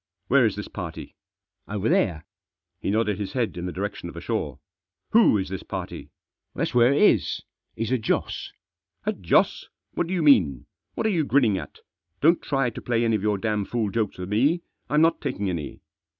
"Where is this party?" "Over there." He nodded his head in the direction of the shore. " Who is this party?" " That's where it is ; he's a Joss." "A Joss? What do you mean? What are you grinning at ? Don't try to play any of your damfool jokes with me, I'm not taking any."